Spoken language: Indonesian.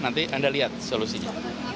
nanti kita lihat solusinya